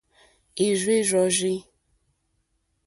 Ì rzí rzɔ́rzí.